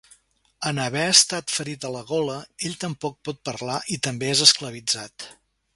En haver estat ferit a la gola, ell tampoc pot parlar i també és esclavitzat.